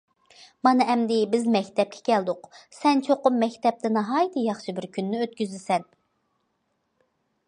مانا ئەمدى بىز مەكتەپكە كەلدۇق، سەن چوقۇم مەكتەپتە ناھايىتى ياخشى بىر كۈننى ئۆتكۈزىسەن.